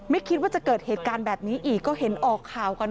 ไม่คิดว่าจะเกิดเหตุการณ์แบบนี้อีกก็เห็นออกข่าวกัน